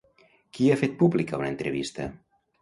Qui ha fet pública una entrevista?